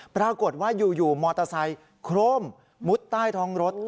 ปรากฏว่าอยู่มอเตอร์ไซค์โคร่มมุดใต้ท้องรถ